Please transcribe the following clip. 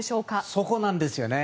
そこなんですよね。